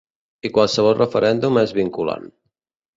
I qualsevol referèndum és vinculant.